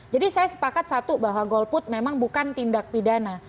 jadi saya sepakat satu bahwa golput memang bukan tindak pidana